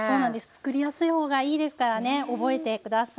つくりやすい方がいいですからね覚えて下さい。